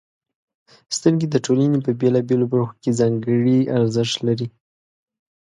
• سترګې د ټولنې په بېلابېلو برخو کې ځانګړې ارزښت لري.